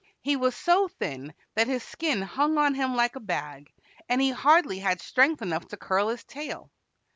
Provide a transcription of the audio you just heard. He was so thin that his skin hung on him like a bag, and he hardly had strength enough to curl his tail.